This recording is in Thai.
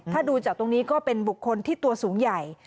ถ้าดูจากตรงนี้ก็เป็นบุคคลที่ตัวสูงใหญ่